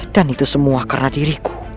dan itu semua karena diriku